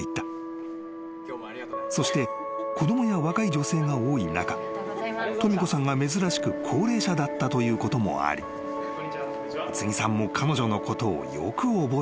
［そして子供や若い女性が多い中とみ子さんが珍しく高齢者だったということもあり卯都木さんも彼女のことをよく覚えていた］